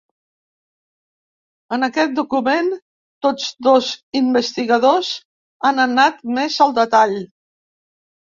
En aquest document, tots dos investigadors han anat més al detall.